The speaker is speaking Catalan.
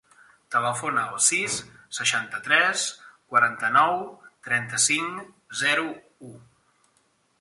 Telefona al sis, seixanta-tres, quaranta-nou, trenta-cinc, zero, u.